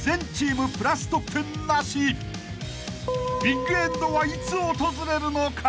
［ビッグエンドはいつ訪れるのか！？］